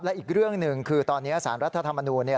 อีกเรื่องหนึ่งคือตอนนี้สารรัฐธรรมนูลเนี่ย